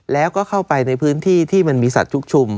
แล้วก็เข้าไปในพื้นที่ที่มันมีสัตว์ชุกชุม